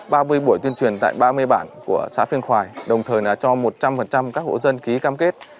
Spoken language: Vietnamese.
ba mươi buổi tuyên truyền tại ba mươi bản của xã phiên khoài đồng thời đã cho một trăm linh các hộ dân ký cam kết